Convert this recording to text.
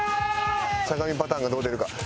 しゃがみパターンがどう出るか。